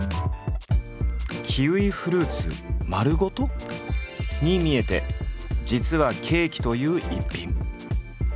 キウイフルーツ丸ごと？に見えて実はケーキという逸品。